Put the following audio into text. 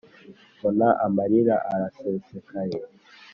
mbona amarira arasesekaye.